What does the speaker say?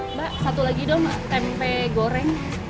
mbak satu lagi dong tempe goreng